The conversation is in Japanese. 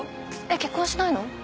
えっ結婚しないの？